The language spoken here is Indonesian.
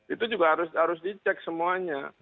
itu juga harus dicek semuanya